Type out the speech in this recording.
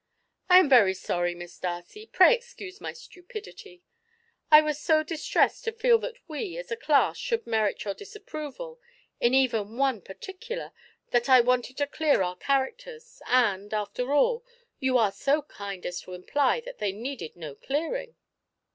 "I am very sorry, Miss Darcy; pray excuse my stupidity. I was so distressed to feel that we, as a class, should merit your disapproval in even one particular, that I wanted to clear our characters and, after all, you are so kind as to imply that they needed no clearing."